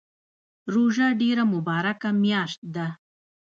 روژه ډیره مبارکه میاشت ده